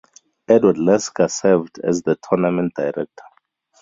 Edward Lasker served as the tournament director.